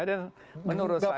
dan menurut saya